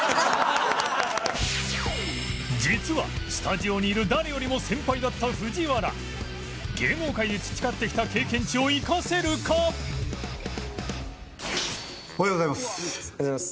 実はスタジオにいる誰よりも先輩だった藤原おはようございます。